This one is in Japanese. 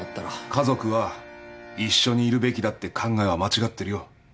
家族は一緒にいるべきだって考えは間違ってるよ。